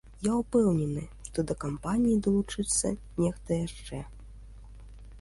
Я ўпэўнены, што да кампаніі далучыцца нехта яшчэ.